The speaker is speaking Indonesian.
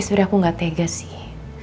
ya sebenernya aku gak tegas sih